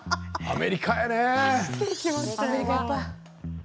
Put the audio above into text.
アメリカやね。